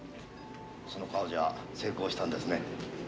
その顔じゃ成功したんですね。